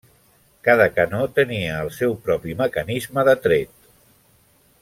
Cada canó tenia el seu propi mecanisme de tret.